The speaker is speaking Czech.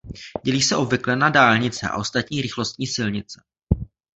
Dělí se obvykle na dálnice a ostatní rychlostní silnice.